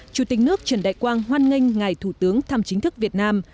chủ tịch nước trần đại quang hoan nghênh ngài thủ tướng thăm chính thức việt nam